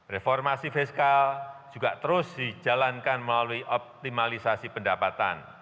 reformasi fiskal juga terus dijalankan melalui optimalisasi pendapatan